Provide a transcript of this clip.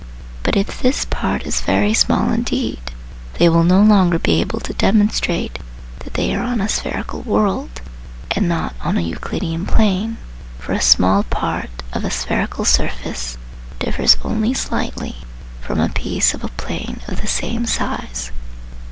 But if this part is very small indeed, they will no longer be able to demonstrate that they are on a spherical " world " and not on a Euclidean plane, for a small part of a spherical surface differs only slightly from a piece of a plane of the same size.